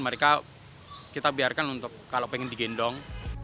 mereka kita biarkan kalau ingin digendong